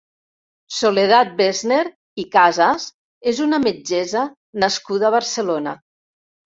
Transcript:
Soledat Woessner i Casas és una metgessa nascuda a Barcelona.